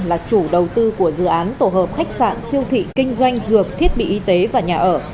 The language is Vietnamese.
là chủ đầu tư của dự án tổ hợp khách sạn siêu thị kinh doanh dược thiết bị y tế và nhà ở